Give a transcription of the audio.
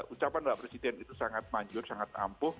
ucapan mbak presiden itu sangat manjur sangat ampuh